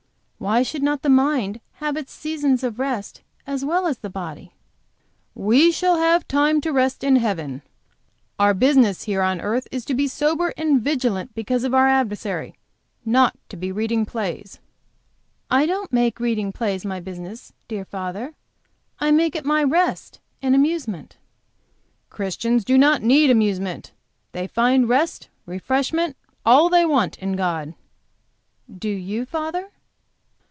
Why should not the mind have its seasons of rest as well as the body?" "We shall have time to rest in heaven. Our business here on earth is to be sober and vigilant because of our adversary; not to be reading plays." "I don't make reading plays my business, dear father. I make it my rest and amusement." "Christians do not need amusement; they find rest, refreshment, all they want, in God." "Do you, father?"